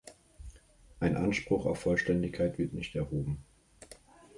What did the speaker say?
Ein Anspruch auf Vollständigkeit wird nicht erhoben.